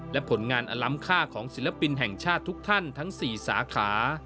และผลงานอล้ำค่าของศิลปินแห่งชาติทุกท่านทั้ง๔สาขา